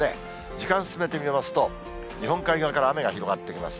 時間進めてみますと、日本海側から雨が広がってきます。